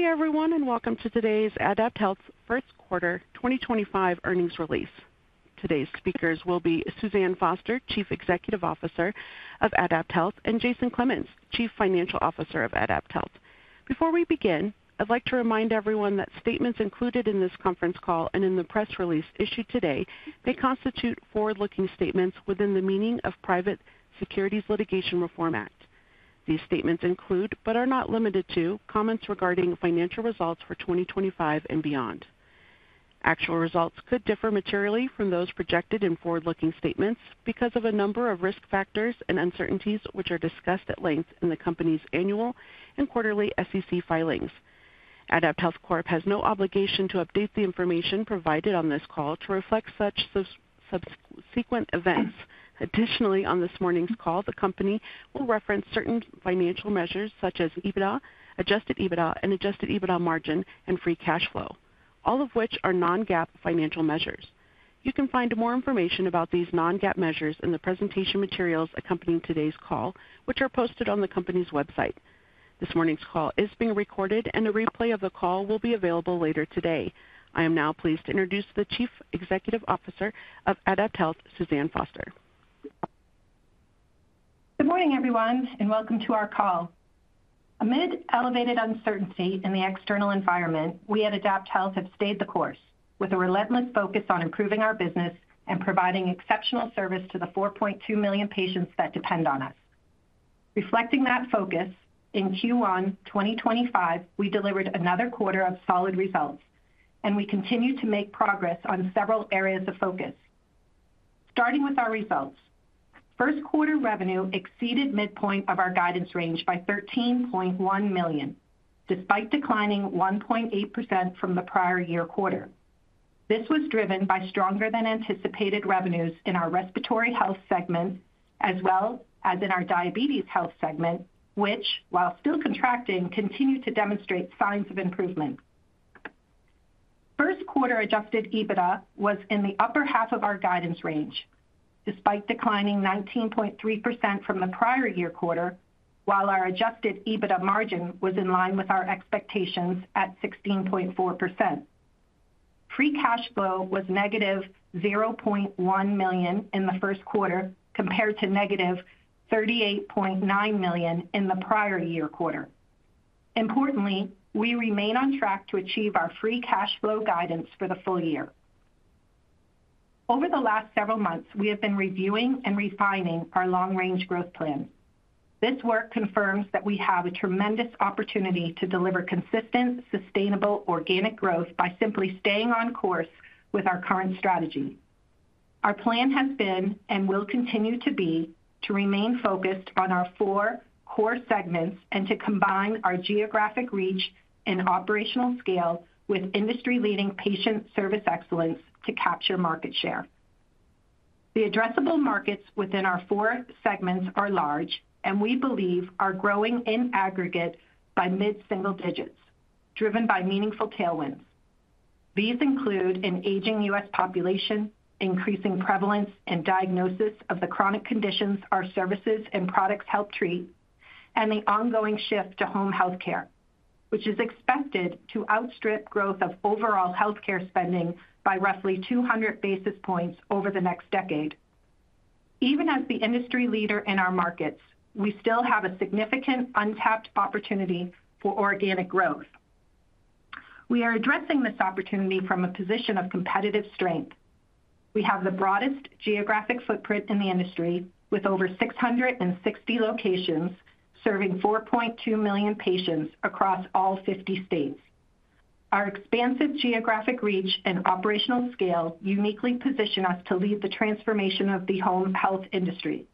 Good day, everyone, and welcome to today's AdaptHealth's first quarter 2025 earnings release. Today's speakers will be Suzanne Foster, Chief Executive Officer of AdaptHealth, and Jason Clemens, Chief Financial Officer of AdaptHealth. Before we begin, I'd like to remind everyone that statements included in this conference call and in the press release issued today may constitute forward-looking statements within the meaning of Private Securities Litigation Reform Act. These statements include, but are not limited to, comments regarding financial results for 2025 and beyond. Actual results could differ materially from those projected in forward-looking statements because of a number of risk factors and uncertainties which are discussed at length in the company's annual and quarterly SEC filings. AdaptHealth has no obligation to update the information provided on this call to reflect such subsequent events. Additionally, on this morning's call, the company will reference certain financial measures such as EBITDA, adjusted EBITDA, and adjusted EBITDA margin and free cash flow, all of which are non-GAAP financial measures. You can find more information about these non-GAAP measures in the presentation materials accompanying today's call, which are posted on the company's website. This morning's call is being recorded, and a replay of the call will be available later today. I am now pleased to introduce the Chief Executive Officer of AdaptHealth, Suzanne Foster. Good morning, everyone, and welcome to our call. Amid elevated uncertainty in the external environment, we at AdaptHealth have stayed the course with a relentless focus on improving our business and providing exceptional service to the 4.2 million patients that depend on us. Reflecting that focus, in Q1 2025, we delivered another quarter of solid results, and we continue to make progress on several areas of focus. Starting with our results, first quarter revenue exceeded midpoint of our guidance range by $13.1 million, despite declining 1.8% from the prior year quarter. This was driven by stronger-than-anticipated revenues in our respiratory health segment, as well as in our diabetes health segment, which, while still contracting, continued to demonstrate signs of improvement. First quarter adjusted EBITDA was in the upper half of our guidance range, despite declining 19.3% from the prior year quarter, while our adjusted EBITDA margin was in line with our expectations at 16.4%. Free cash flow was negative $0.1 million in the first quarter compared to negative $38.9 million in the prior year quarter. Importantly, we remain on track to achieve our free cash flow guidance for the full year. Over the last several months, we have been reviewing and refining our long-range growth plan. This work confirms that we have a tremendous opportunity to deliver consistent, sustainable organic growth by simply staying on course with our current strategy. Our plan has been and will continue to be to remain focused on our four core segments and to combine our geographic reach and operational scale with industry-leading patient service excellence to capture market share. The addressable markets within our four segments are large, and we believe are growing in aggregate by mid-single digits, driven by meaningful tailwinds. These include an aging U.S. population, increasing prevalence and diagnosis of the chronic conditions our services and products help treat, and the ongoing shift to home health care, which is expected to outstrip growth of overall health care spending by roughly 200 basis points over the next decade. Even as the industry leader in our markets, we still have a significant untapped opportunity for organic growth. We are addressing this opportunity from a position of competitive strength. We have the broadest geographic footprint in the industry, with over 660 locations serving 4.2 million patients across all 50 states. Our expansive geographic reach and operational scale uniquely position us to lead the transformation of the home health industry.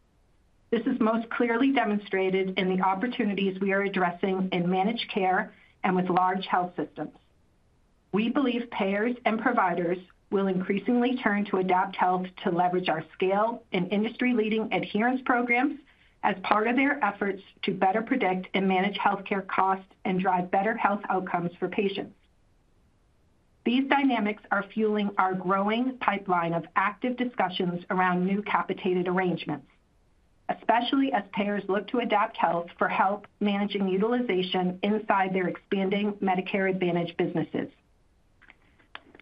This is most clearly demonstrated in the opportunities we are addressing in managed care and with large health systems. We believe payers and providers will increasingly turn to AdaptHealth to leverage our scale and industry-leading adherence programs as part of their efforts to better predict and manage health care costs and drive better health outcomes for patients. These dynamics are fueling our growing pipeline of active discussions around new capitated arrangements, especially as payers look to AdaptHealth for help managing utilization inside their expanding Medicare Advantage businesses.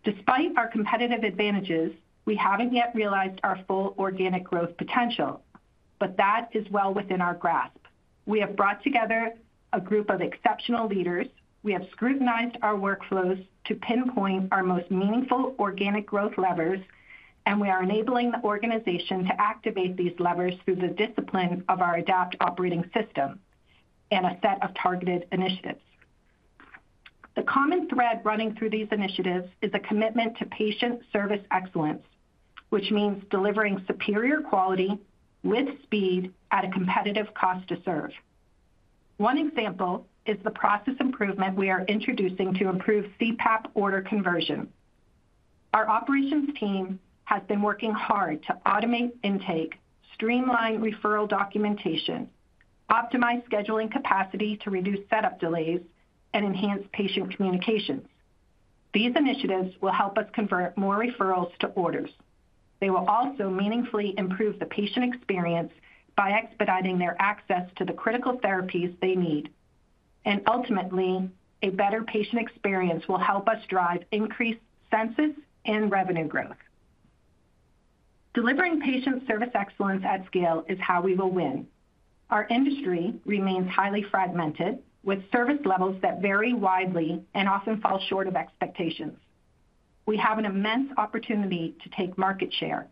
Despite our competitive advantages, we haven't yet realized our full organic growth potential, but that is well within our grasp. We have brought together a group of exceptional leaders. We have scrutinized our workflows to pinpoint our most meaningful organic growth levers, and we are enabling the organization to activate these levers through the discipline of our Adapt operating system and a set of targeted initiatives. The common thread running through these initiatives is a commitment to patient service excellence, which means delivering superior quality with speed at a competitive cost to serve. One example is the process improvement we are introducing to improve CPAP order conversion. Our operations team has been working hard to automate intake, streamline referral documentation, optimize scheduling capacity to reduce setup delays, and enhance patient communications. These initiatives will help us convert more referrals to orders. They will also meaningfully improve the patient experience by expediting their access to the critical therapies they need. Ultimately, a better patient experience will help us drive increased census and revenue growth. Delivering patient service excellence at scale is how we will win. Our industry remains highly fragmented, with service levels that vary widely and often fall short of expectations. We have an immense opportunity to take market share.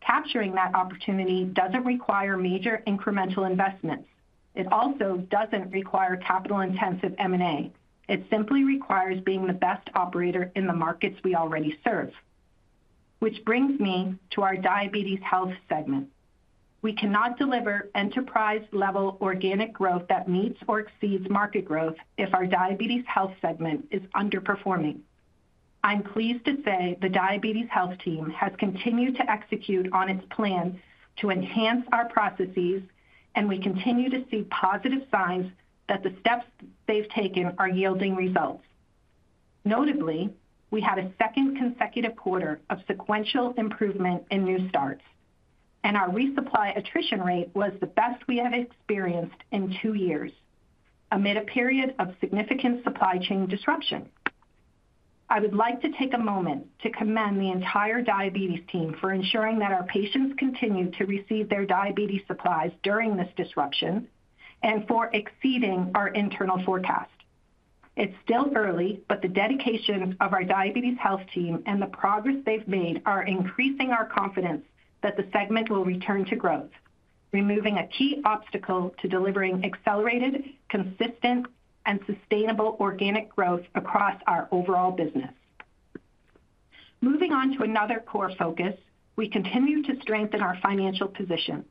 Capturing that opportunity does not require major incremental investments. It also does not require capital-intensive M&A. It simply requires being the best operator in the markets we already serve, which brings me to our diabetes health segment. We cannot deliver enterprise-level organic growth that meets or exceeds market growth if our diabetes health segment is underperforming. I'm pleased to say the diabetes health team has continued to execute on its plan to enhance our processes, and we continue to see positive signs that the steps they've taken are yielding results. Notably, we had a second consecutive quarter of sequential improvement in new starts, and our resupply attrition rate was the best we have experienced in two years amid a period of significant supply chain disruption. I would like to take a moment to commend the entire diabetes team for ensuring that our patients continue to receive their diabetes supplies during this disruption and for exceeding our internal forecast. It's still early, but the dedication of our diabetes health team and the progress they've made are increasing our confidence that the segment will return to growth, removing a key obstacle to delivering accelerated, consistent, and sustainable organic growth across our overall business. Moving on to another core focus, we continue to strengthen our financial position.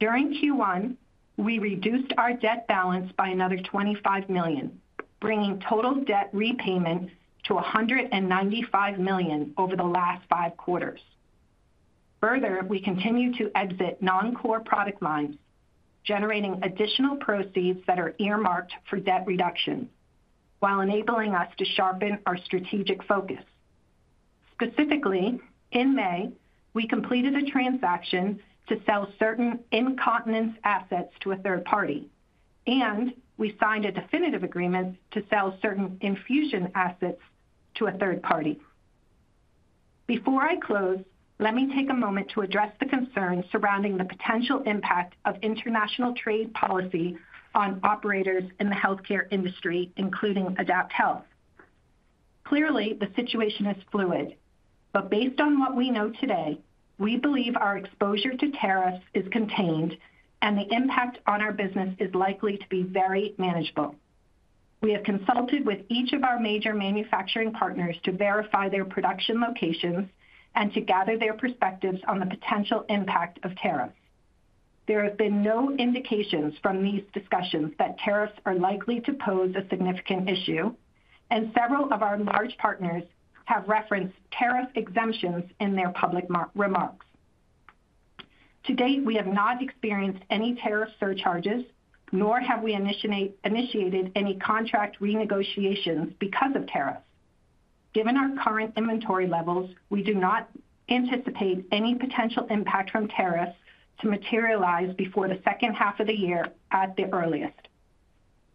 During Q1, we reduced our debt balance by another $25 million, bringing total debt repayment to $195 million over the last five quarters. Further, we continue to exit non-core product lines, generating additional proceeds that are earmarked for debt reduction while enabling us to sharpen our strategic focus. Specifically, in May, we completed a transaction to sell certain incontinence assets to a third party, and we signed a definitive agreement to sell certain infusion assets to a third party. Before I close, let me take a moment to address the concerns surrounding the potential impact of international trade policy on operators in the health care industry, including AdaptHealth. Clearly, the situation is fluid, but based on what we know today, we believe our exposure to tariffs is contained and the impact on our business is likely to be very manageable. We have consulted with each of our major manufacturing partners to verify their production locations and to gather their perspectives on the potential impact of tariffs. There have been no indications from these discussions that tariffs are likely to pose a significant issue, and several of our large partners have referenced tariff exemptions in their public remarks. To date, we have not experienced any tariff surcharges, nor have we initiated any contract renegotiations because of tariffs. Given our current inventory levels, we do not anticipate any potential impact from tariffs to materialize before the second half of the year at the earliest.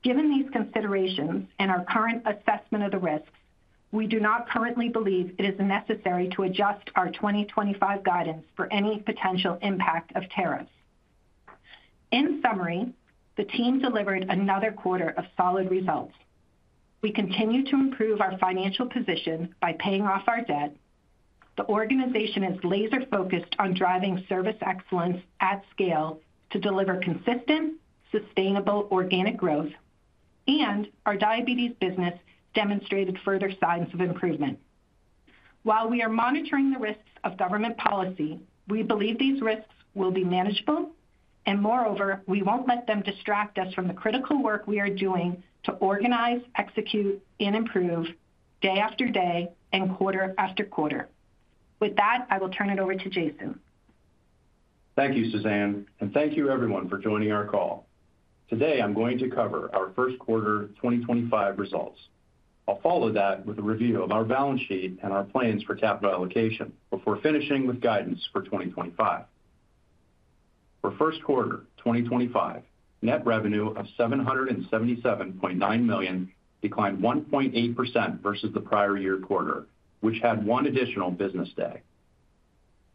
Given these considerations and our current assessment of the risks, we do not currently believe it is necessary to adjust our 2025 guidance for any potential impact of tariffs. In summary, the team delivered another quarter of solid results. We continue to improve our financial position by paying off our debt. The organization is laser-focused on driving service excellence at scale to deliver consistent, sustainable organic growth, and our diabetes business demonstrated further signs of improvement. While we are monitoring the risks of government policy, we believe these risks will be manageable, and moreover, we won't let them distract us from the critical work we are doing to organize, execute, and improve day after day and quarter after quarter. With that, I will turn it over to Jason. Thank you, Suzanne, and thank you, everyone, for joining our call. Today, I'm going to cover our first quarter 2025 results. I'll follow that with a review of our balance sheet and our plans for capital allocation before finishing with guidance for 2025. For first quarter 2025, net revenue of $777.9 million declined 1.8% versus the prior year quarter, which had one additional business day.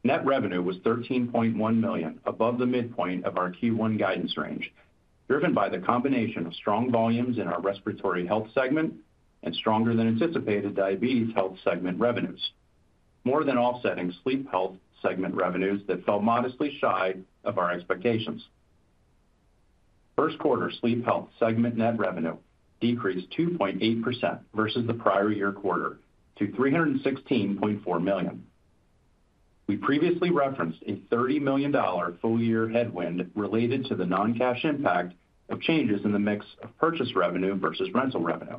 Net revenue was $13.1 million above the midpoint of our Q1 guidance range, driven by the combination of strong volumes in our respiratory health segment and stronger-than-anticipated diabetes health segment revenues, more than offsetting sleep health segment revenues that fell modestly shy of our expectations. First quarter sleep health segment net revenue decreased 2.8% versus the prior year quarter to $316.4 million. We previously referenced a $30 million full-year headwind related to the non-cash impact of changes in the mix of purchase revenue versus rental revenue.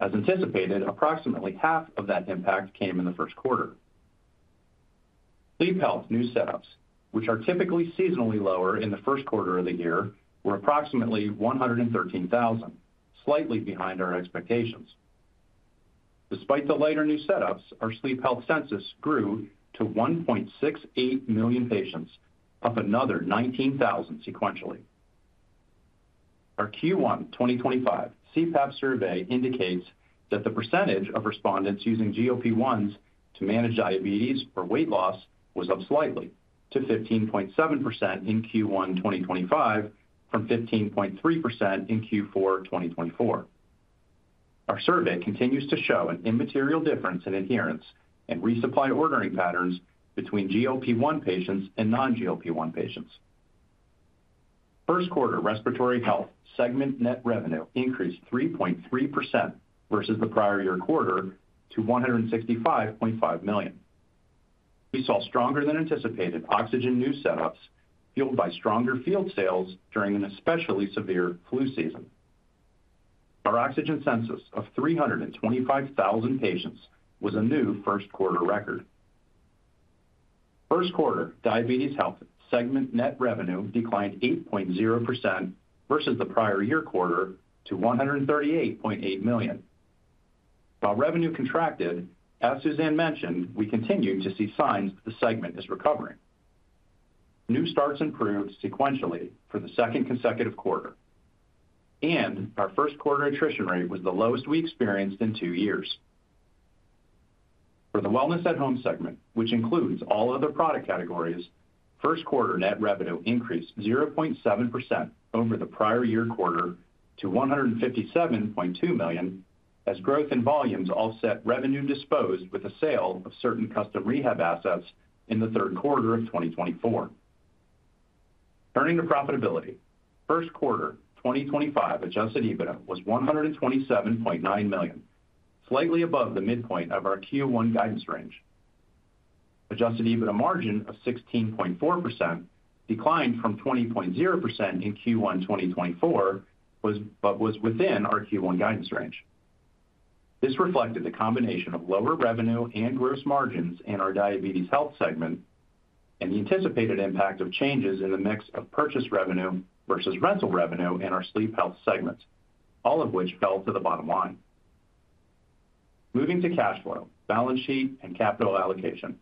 As anticipated, approximately half of that impact came in the first quarter. Sleep health new setups, which are typically seasonally lower in the first quarter of the year, were approximately 113,000, slightly behind our expectations. Despite the lighter new setups, our sleep health census grew to 1.68 million patients, up another 19,000 sequentially. Our Q1 2025 CPAP survey indicates that the percentage of respondents using GLP-1s to manage diabetes or weight loss was up slightly to 15.7% in Q1 2025 from 15.3% in Q4 2024. Our survey continues to show an immaterial difference in adherence and resupply ordering patterns between GLP-1 patients and non-GLP-1 patients. First quarter respiratory health segment net revenue increased 3.3% versus the prior year quarter to $165.5 million. We saw stronger-than-anticipated oxygen new setups fueled by stronger field sales during an especially severe flu season. Our oxygen census of 325,000 patients was a new first quarter record. First quarter diabetes health segment net revenue declined 8.0% versus the prior year quarter to $138.8 million. While revenue contracted, as Suzanne mentioned, we continue to see signs that the segment is recovering. New starts improved sequentially for the second consecutive quarter, and our first quarter attrition rate was the lowest we experienced in two years. For the wellness at home segment, which includes all other product categories, first quarter net revenue increased 0.7% over the prior year quarter to $157.2 million as growth in volumes offset revenue disposed with the sale of certain custom rehab assets in the third quarter of 2024. Turning to profitability, first quarter 2025 adjusted EBITDA was $127.9 million, slightly above the midpoint of our Q1 guidance range. Adjusted EBITDA margin of 16.4% declined from 20.0% in Q1 2024, but was within our Q1 guidance range. This reflected the combination of lower revenue and gross margins in our diabetes health segment and the anticipated impact of changes in the mix of purchase revenue versus rental revenue in our sleep health segment, all of which fell to the bottom line. Moving to cash flow, balance sheet, and capital allocation.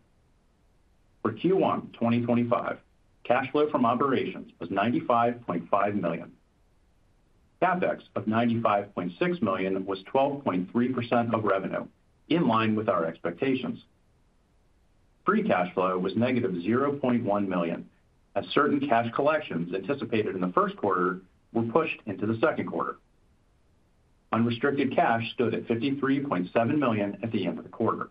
For Q1 2025, cash flow from operations was $95.5 million. CapEx of $95.6 million was 12.3% of revenue, in line with our expectations. Free cash flow was negative $0.1 million as certain cash collections anticipated in the first quarter were pushed into the second quarter. Unrestricted cash stood at $53.7 million at the end of the quarter.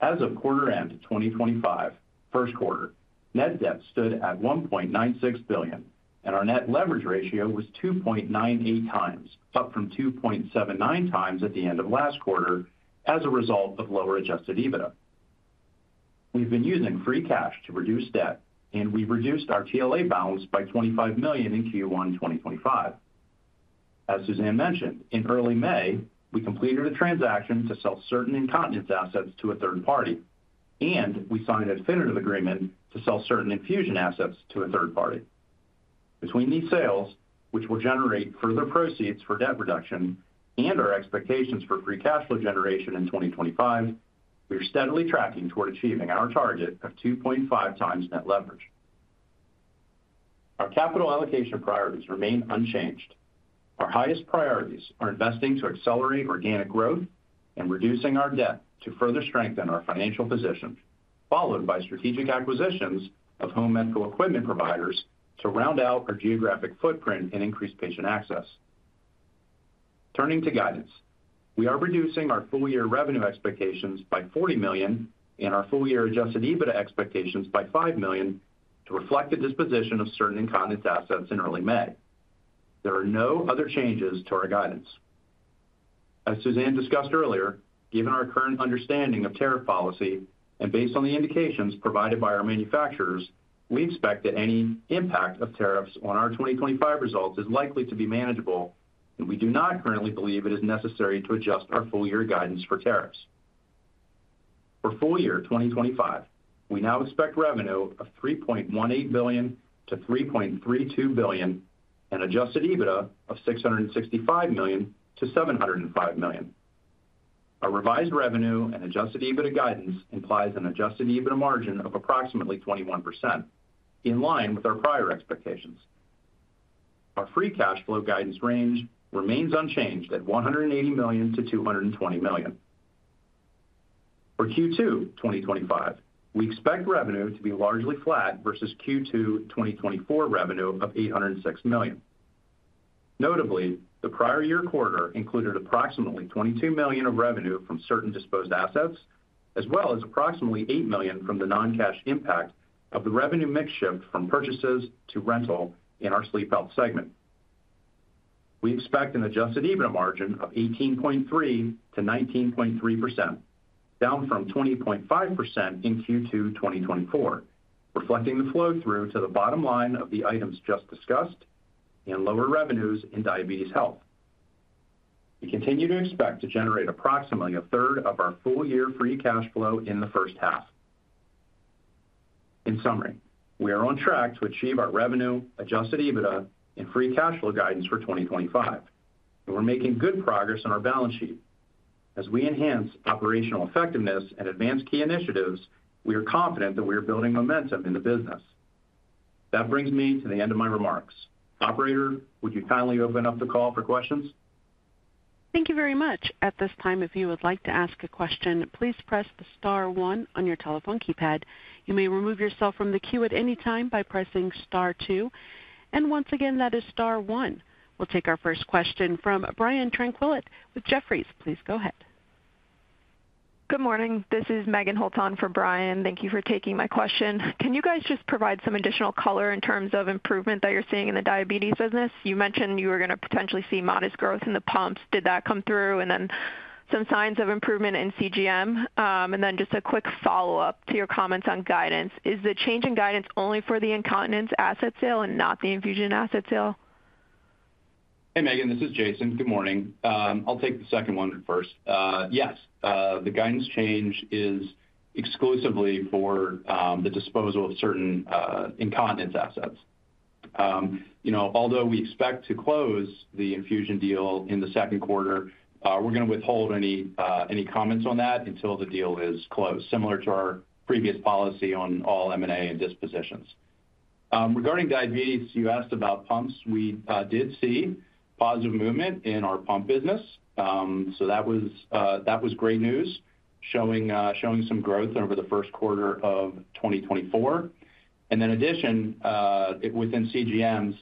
As of quarter end 2025, first quarter, net debt stood at $1.96 billion, and our net leverage ratio was 2.98 times, up from 2.79 times at the end of last quarter as a result of lower adjusted EBITDA. We've been using free cash to reduce debt, and we reduced our TLA balance by $25 million in Q1 2025. As Suzanne mentioned, in early May, we completed a transaction to sell certain incontinence assets to a third party, and we signed a definitive agreement to sell certain infusion assets to a third party. Between these sales, which will generate further proceeds for debt reduction and our expectations for free cash flow generation in 2025, we are steadily tracking toward achieving our target of 2.5 times net leverage. Our capital allocation priorities remain unchanged. Our highest priorities are investing to accelerate organic growth and reducing our debt to further strengthen our financial position, followed by strategic acquisitions of home medical equipment providers to round out our geographic footprint and increase patient access. Turning to guidance, we are reducing our full-year revenue expectations by $40 million and our full-year adjusted EBITDA expectations by $5 million to reflect the disposition of certain incontinence assets in early May. There are no other changes to our guidance. As Suzanne discussed earlier, given our current understanding of tariff policy and based on the indications provided by our manufacturers, we expect that any impact of tariffs on our 2025 results is likely to be manageable, and we do not currently believe it is necessary to adjust our full-year guidance for tariffs. For full year 2025, we now expect revenue of $3.18 billion-$3.32 billion and adjusted EBITDA of $665 million-$705 million. Our revised revenue and adjusted EBITDA guidance implies an adjusted EBITDA margin of approximately 21%, in line with our prior expectations. Our free cash flow guidance range remains unchanged at $180 million-$220 million. For Q2 2025, we expect revenue to be largely flat versus Q2 2024 revenue of $806 million. Notably, the prior year quarter included approximately $22 million of revenue from certain disposed assets, as well as approximately $8 million from the non-cash impact of the revenue mix shift from purchases to rental in our sleep health segment. We expect an adjusted EBITDA margin of 18.3%-19.3%, down from 20.5% in Q2 2024, reflecting the flow through to the bottom line of the items just discussed and lower revenues in diabetes health. We continue to expect to generate approximately a third of our full-year free cash flow in the first half. In summary, we are on track to achieve our revenue, adjusted EBITDA, and free cash flow guidance for 2025, and we are making good progress on our balance sheet. As we enhance operational effectiveness and advance key initiatives, we are confident that we are building momentum in the business. That brings me to the end of my remarks. Operator, would you kindly open up the call for questions? Thank you very much. At this time, if you would like to ask a question, please press the star one on your telephone keypad. You may remove yourself from the queue at any time by pressing star two. Once again, that is star one. We'll take our first question from Brian Gil Tanquilut with Jefferies. Please go ahead. Good morning. This is Megan Holton for Brian. Thank you for taking my question. Can you guys just provide some additional color in terms of improvement that you're seeing in the diabetes business? You mentioned you were going to potentially see modest growth in the pumps. Did that come through? Some signs of improvement in CGM. Just a quick follow-up to your comments on guidance. Is the change in guidance only for the incontinence asset sale and not the infusion asset sale? Hey, Megan. This is Jason. Good morning. I'll take the second one first. Yes, the guidance change is exclusively for the disposal of certain incontinence assets. Although we expect to close the infusion deal in the second quarter, we're going to withhold any comments on that until the deal is closed, similar to our previous policy on all M&A and dispositions. Regarding diabetes, you asked about pumps. We did see positive movement in our pump business, so that was great news, showing some growth over the first quarter of 2024. In addition, within CGMs,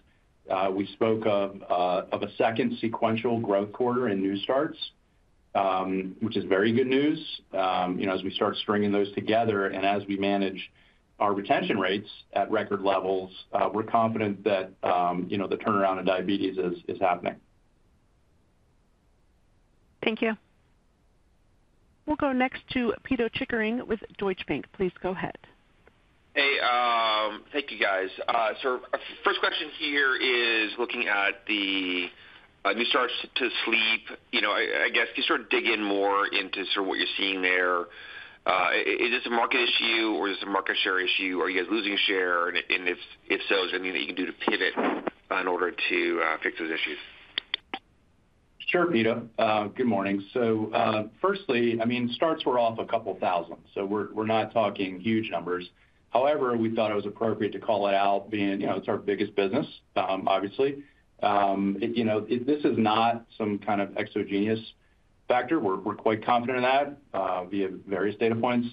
we spoke of a second sequential growth quarter in new starts, which is very good news as we start stringing those together. As we manage our retention rates at record levels, we're confident that the turnaround in diabetes is happening. Thank you. We'll go next to Pito Chickering with Deutsche Bank. Please go ahead. Hey, thank you, guys. Our first question here is looking at the new starts to sleep. I guess, can you sort of dig in more into sort of what you're seeing there? Is this a market issue or is this a market share issue? Are you guys losing share? If so, is there anything that you can do to pivot in order to fix those issues? Sure, Pito. Good morning. Firstly, I mean, starts were off a couple thousand, so we're not talking huge numbers. However, we thought it was appropriate to call it out being it's our biggest business, obviously. This is not some kind of exogenous factor. We're quite confident in that via various data points.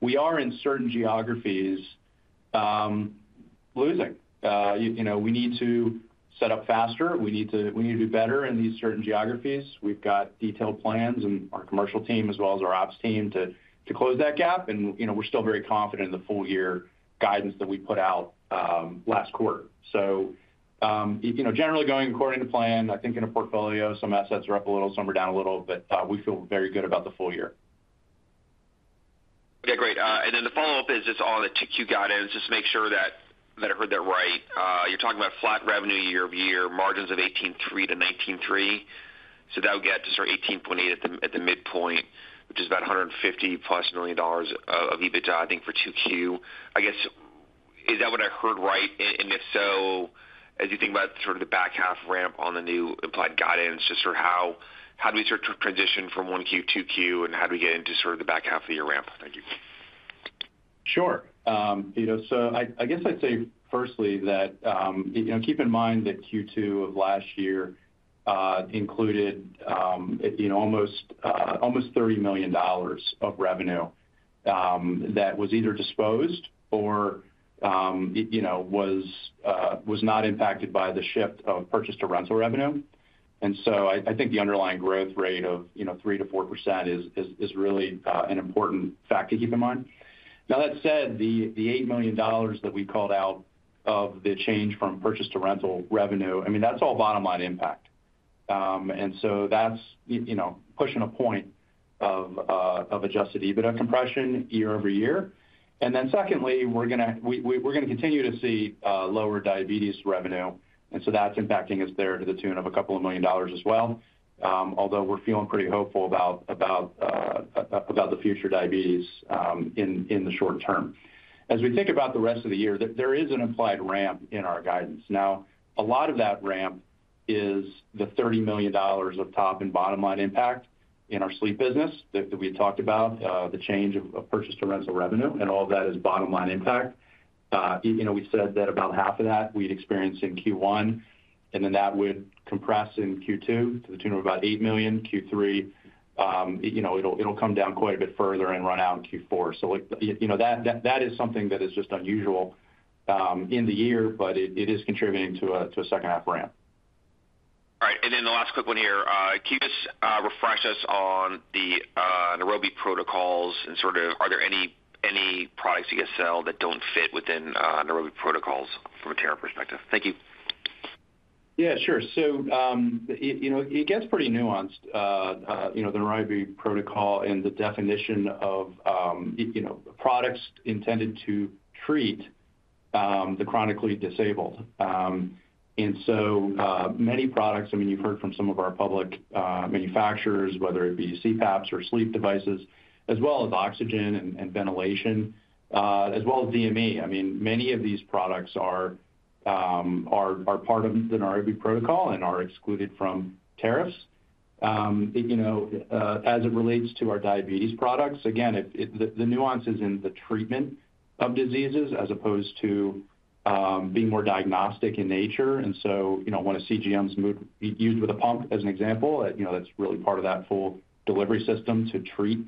We are in certain geographies losing. We need to set up faster. We need to do better in these certain geographies. We've got detailed plans in our commercial team as well as our ops team to close that gap. We're still very confident in the full-year guidance that we put out last quarter. Generally going according to plan, I think in a portfolio, some assets are up a little, some are down a little, but we feel very good about the full year. Okay, great. The follow-up is just all the 2Q guidance, just to make sure that I heard that right. You're talking about flat revenue year-over-year, margins of 18.3%-19.3%. That would get to sort of 18.8% at the midpoint, which is about $150 million-plus of EBITDA, I think, for 2Q. I guess, is that what I heard right? If so, as you think about sort of the back half ramp on the new implied guidance, just sort of how do we sort of transition from 1Q to 2Q, and how do we get into sort of the back half of your ramp? Thank you. Sure. I guess I'd say firstly that keep in mind that Q2 of last year included almost $30 million of revenue that was either disposed or was not impacted by the shift of purchase-to-rental revenue. I think the underlying growth rate of 3-4% is really an important fact to keep in mind. That said, the $8 million that we called out of the change from purchase-to-rental revenue, I mean, that's all bottom-line impact. That's pushing a point of adjusted EBITDA compression year-over-year. Secondly, we're going to continue to see lower diabetes revenue. That's impacting us there to the tune of a couple of million dollars as well, although we're feeling pretty hopeful about the future diabetes in the short term. As we think about the rest of the year, there is an implied ramp in our guidance. Now, a lot of that ramp is the $30 million of top and bottom-line impact in our sleep business that we had talked about, the change of purchase-to-rental revenue. All of that is bottom-line impact. We said that about half of that we'd experience in Q1, and then that would compress in Q2 to the tune of about $8 million. Q3, it'll come down quite a bit further and run out in Q4. That is something that is just unusual in the year, but it is contributing to a second-half ramp. All right. And then the last quick one here. Can you just refresh us on the Nairobi Protocol and sort of are there any products you guys sell that do not fit within Nairobi Protocol from a tariff perspective? Thank you. Yeah, sure. It gets pretty nuanced, the Nairobi Protocol and the definition of products intended to treat the chronically disabled. Many products, I mean, you've heard from some of our public manufacturers, whether it be CPAPs or sleep devices, as well as oxygen and ventilation, as well as DME. Many of these products are part of the Nairobi Protocol and are excluded from tariffs. As it relates to our diabetes products, again, the nuance is in the treatment of diseases as opposed to being more diagnostic in nature. One of CGMs used with a pump, as an example, that's really part of that full delivery system to treat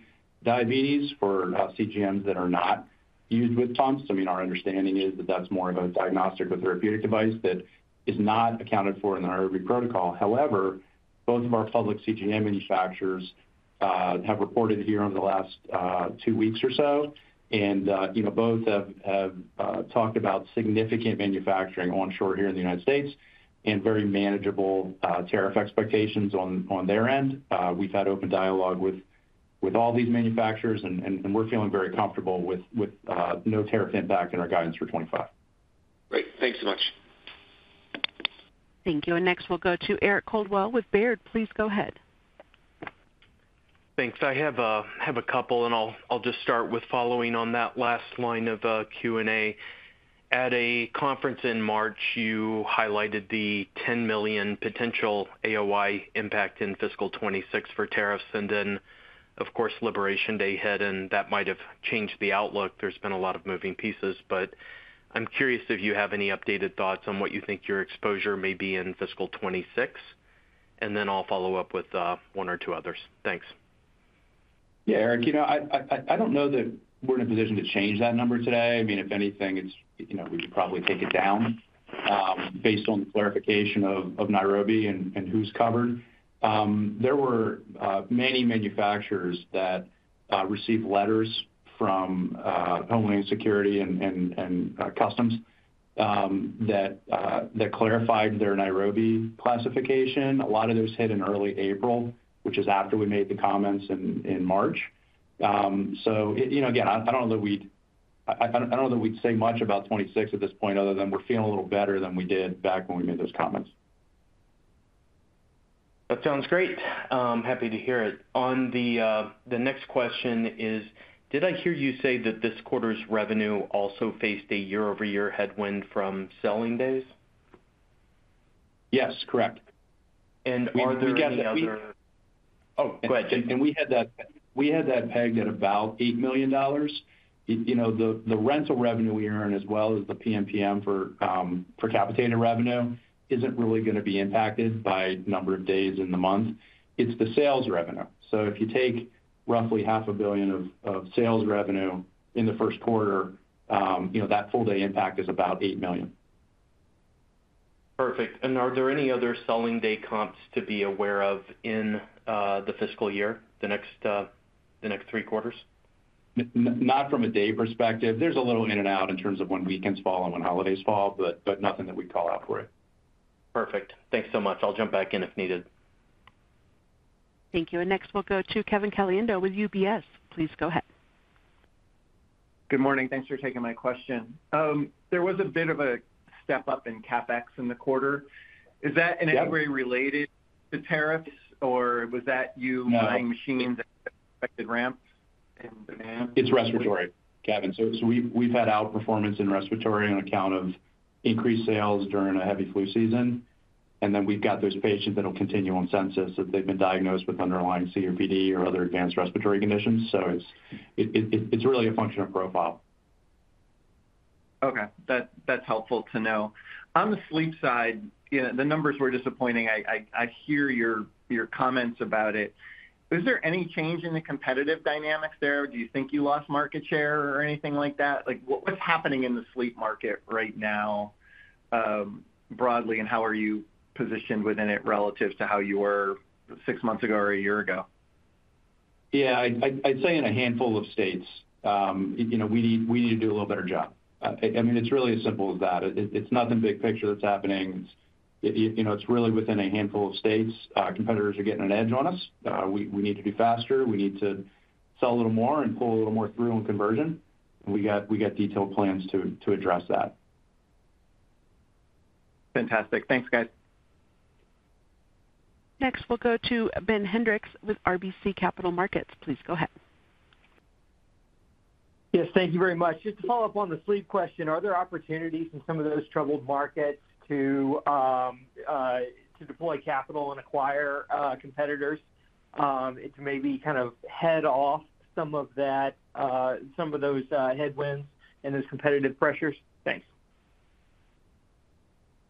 diabetes. For CGMs that are not used with pumps, our understanding is that that's more of a diagnostic or therapeutic device that is not accounted for in the Nairobi Protocol. However, both of our public CGM manufacturers have reported here over the last two weeks or so, and both have talked about significant manufacturing onshore here in the United States and very manageable tariff expectations on their end. We've had open dialogue with all these manufacturers, and we're feeling very comfortable with no tariff impact in our guidance for 2025. Great. Thanks so much. Thank you. Next, we will go to Eric Caldwell with Baird. Please go ahead. Thanks. I have a couple, and I'll just start with following on that last line of Q&A. At a conference in March, you highlighted the $10 million potential AOI impact in fiscal 2026 for tariffs. Then, of course, Liberation Day hit and that might have changed the outlook. There's been a lot of moving pieces, but I'm curious if you have any updated thoughts on what you think your exposure may be in fiscal 2026. I'll follow up with one or two others. Thanks. Yeah, Eric, I don't know that we're in a position to change that number today. I mean, if anything, we could probably take it down based on the clarification of Nairobi and who's covered. There were many manufacturers that received letters from Homeland Security and Customs that clarified their Nairobi classification. A lot of those hit in early April, which is after we made the comments in March. Again, I don't know that we'd—I don't know that we'd say much about 2026 at this point other than we're feeling a little better than we did back when we made those comments. That sounds great. Happy to hear it. On the next question, did I hear you say that this quarter's revenue also faced a year-over-year headwind from selling days? Yes, correct. Are there any other—oh, go ahead. We had that pegged at about $8 million. The rental revenue we earn, as well as the PMPM for capitated revenue, isn't really going to be impacted by number of days in the month. It's the sales revenue. If you take roughly half a billion of sales revenue in the first quarter, that full-day impact is about $8 million. Perfect. Are there any other selling-day comps to be aware of in the fiscal year, the next three quarters? Not from a day perspective. There is a little in and out in terms of when weekends fall and when holidays fall, but nothing that we would call out for it. Perfect. Thanks so much. I'll jump back in if needed. Thank you. Next, we'll go to Kevin Caliendo with UBS. Please go ahead. Good morning. Thanks for taking my question. There was a bit of a step up in CapEx in the quarter. Is that in any way related to tariffs, or was that you buying machines at expected ramps? It's respiratory, Kevin. We've had outperformance in respiratory on account of increased sales during a heavy flu season. We've got those patients that will continue on census if they've been diagnosed with underlying COPD or other advanced respiratory conditions. It's really a function of profile. Okay. That's helpful to know. On the sleep side, the numbers were disappointing. I hear your comments about it. Is there any change in the competitive dynamics there? Do you think you lost market share or anything like that? What's happening in the sleep market right now broadly, and how are you positioned within it relative to how you were six months ago or a year ago? Yeah, I'd say in a handful of states, we need to do a little better job. I mean, it's really as simple as that. It's nothing big picture that's happening. It's really within a handful of states. Competitors are getting an edge on us. We need to do faster. We need to sell a little more and pull a little more through on conversion. And we got detailed plans to address that. Fantastic. Thanks, guys. Next, we'll go to Ben Hendrix with RBC Capital Markets. Please go ahead. Yes, thank you very much. Just to follow up on the sleep question, are there opportunities in some of those troubled markets to deploy capital and acquire competitors to maybe kind of head off some of those headwinds and those competitive pressures? Thanks.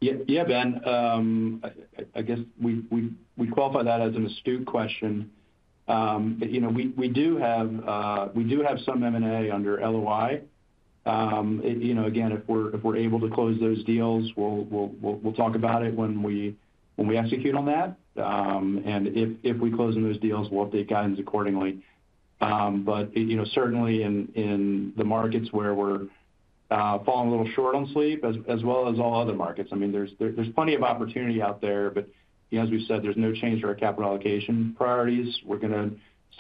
Yeah, Ben, I guess we'd qualify that as an astute question. We do have some M&A under LOI. Again, if we're able to close those deals, we'll talk about it when we execute on that. If we close on those deals, we'll update guidance accordingly. Certainly, in the markets where we're falling a little short on sleep, as well as all other markets, I mean, there's plenty of opportunity out there. As we said, there's no change to our capital allocation priorities. We're going to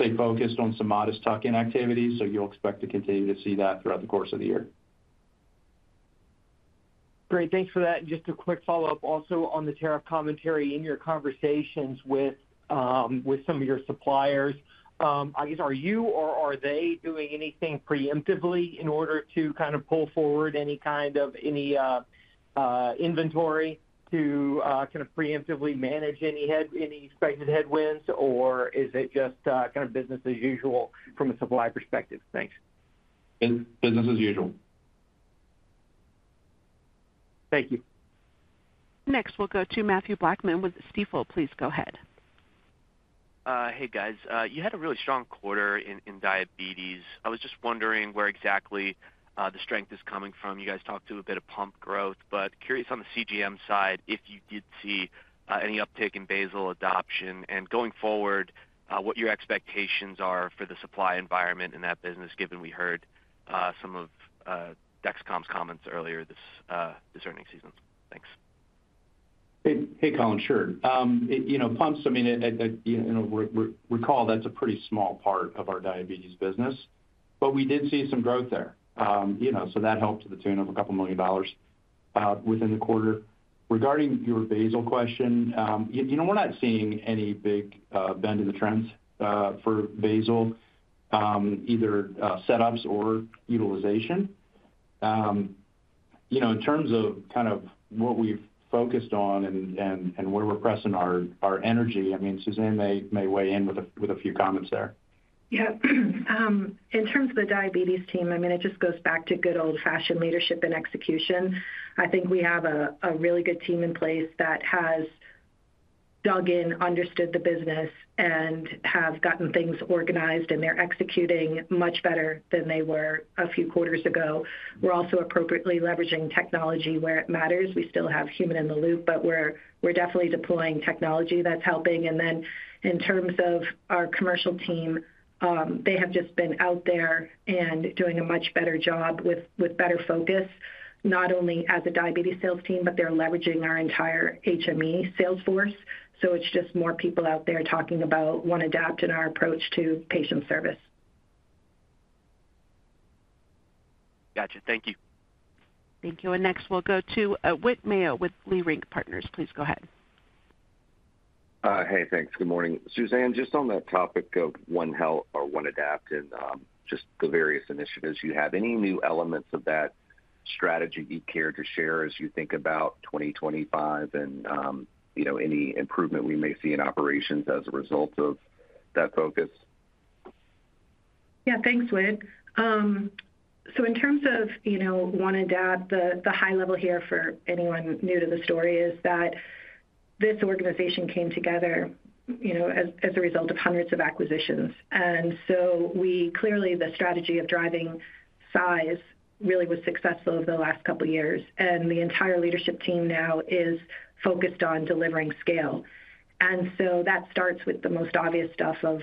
stay focused on some modest tuck-in activities, so you'll expect to continue to see that throughout the course of the year. Great. Thanks for that. Just a quick follow-up also on the tariff commentary in your conversations with some of your suppliers. I guess, are you or are they doing anything preemptively in order to kind of pull forward any kind of inventory to kind of preemptively manage any expected headwinds, or is it just kind of business as usual from a supply perspective? Thanks. Business as usual. Thank you. Next, we'll go to Matthew Blackman with Stifel. Please go ahead. Hey, guys. You had a really strong quarter in diabetes. I was just wondering where exactly the strength is coming from. You guys talked to a bit of pump growth, but curious on the CGM side if you did see any uptick in basal adoption and going forward, what your expectations are for the supply environment in that business, given we heard some of Dexcom's comments earlier this earning season. Thanks. Hey, Colin, sure. Pumps, I mean, recall that's a pretty small part of our diabetes business, but we did see some growth there. That helped to the tune of a couple of million dollars within the quarter. Regarding your basal question, we're not seeing any big bend in the trends for basal, either setups or utilization. In terms of kind of what we've focused on and where we're pressing our energy, I mean, Suzanne may weigh in with a few comments there. Yeah. In terms of the diabetes team, I mean, it just goes back to good old-fashioned leadership and execution. I think we have a really good team in place that has dug in, understood the business, and have gotten things organized, and they're executing much better than they were a few quarters ago. We're also appropriately leveraging technology where it matters. We still have human in the loop, but we're definitely deploying technology that's helping. In terms of our commercial team, they have just been out there and doing a much better job with better focus, not only as a diabetes sales team, but they're leveraging our entire HME salesforce. It is just more people out there talking about one Adapt in our approach to patient service. Gotcha. Thank you. Thank you. Next, we'll go to Whit Mayo with Leerink Partners. Please go ahead. Hey, thanks. Good morning. Suzanne, just on that topic of one health or one adapt and just the various initiatives you have, any new elements of that strategy you care to share as you think about 2025 and any improvement we may see in operations as a result of that focus? Yeah, thanks, Whit. In terms of one adapt, the high level here for anyone new to the story is that this organization came together as a result of hundreds of acquisitions. Clearly, the strategy of driving size really was successful over the last couple of years. The entire leadership team now is focused on delivering scale. That starts with the most obvious stuff of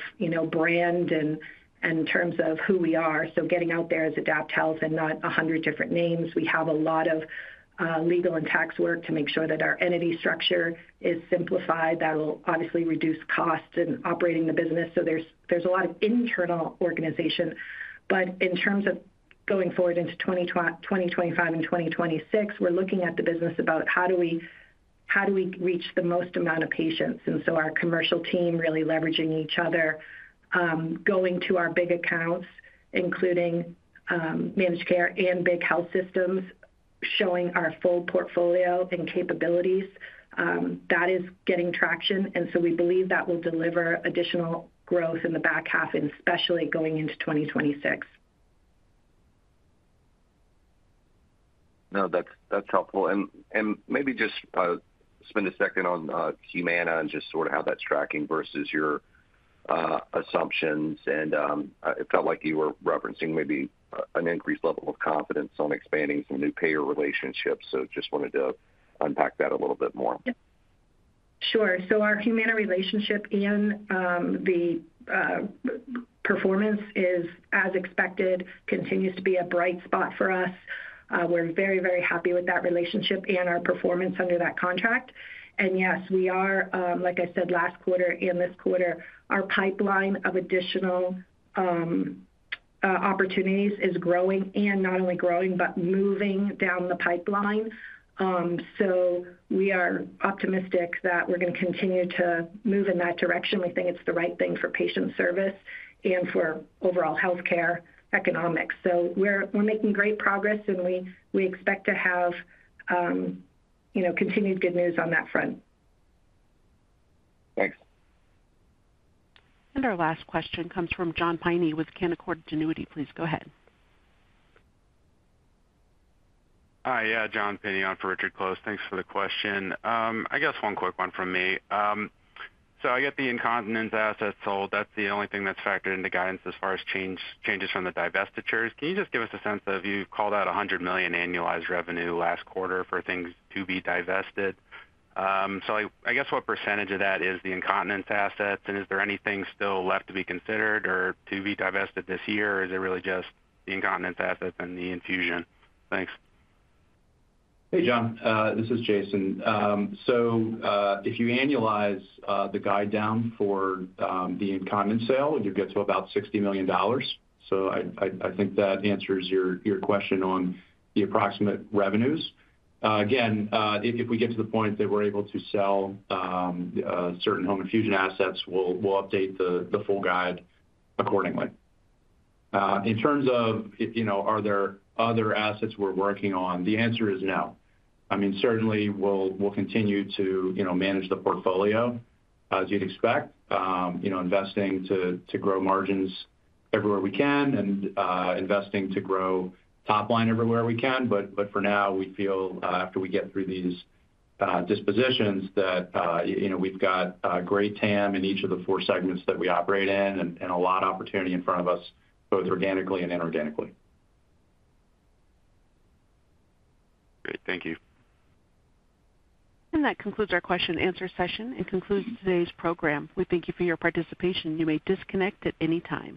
brand and in terms of who we are. Getting out there as AdaptHealth and not a hundred different names. We have a lot of legal and tax work to make sure that our entity structure is simplified. That will obviously reduce costs in operating the business. There is a lot of internal organization. In terms of going forward into 2025 and 2026, we are looking at the business about how do we reach the most amount of patients. Our commercial team is really leveraging each other, going to our big accounts, including managed care and big health systems, showing our full portfolio and capabilities. That is getting traction. We believe that will deliver additional growth in the back half, especially going into 2026. No, that's helpful. Maybe just spend a second on Humana and just sort of how that's tracking versus your assumptions. It felt like you were referencing maybe an increased level of confidence on expanding some new payer relationships. Just wanted to unpack that a little bit more. Sure. Our Humana relationship and the performance is, as expected, continues to be a bright spot for us. We're very, very happy with that relationship and our performance under that contract. Yes, we are, like I said, last quarter and this quarter, our pipeline of additional opportunities is growing and not only growing, but moving down the pipeline. We are optimistic that we're going to continue to move in that direction. We think it's the right thing for patient service and for overall healthcare economics. We're making great progress, and we expect to have continued good news on that front. Thanks. Our last question comes from John Pinto with Cantor Fitzgerald. Please go ahead. Hi, John Pinto on for Richard Close. Thanks for the question. I guess one quick one from me. I get the incontinence assets sold. That's the only thing that's factored into guidance as far as changes from the divestitures. Can you just give us a sense of you called out $100 million annualized revenue last quarter for things to be divested? What percentage of that is the incontinence assets? Is there anything still left to be considered or to be divested this year? Is it really just the incontinence assets and the infusion? Thanks. Hey, John. This is Jason. If you annualize the guide down for the incontinence sale, you get to about $60 million. I think that answers your question on the approximate revenues. Again, if we get to the point that we're able to sell certain home infusion assets, we'll update the full guide accordingly. In terms of are there other assets we're working on, the answer is no. I mean, certainly, we'll continue to manage the portfolio, as you'd expect, investing to grow margins everywhere we can and investing to grow top line everywhere we can. For now, we feel after we get through these dispositions that we've got great TAM in each of the four segments that we operate in and a lot of opportunity in front of us, both organically and inorganically. Great. Thank you. That concludes our question-and-answer session and concludes today's program. We thank you for your participation. You may disconnect at any time.